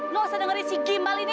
lo asal dengerin si gimbal ini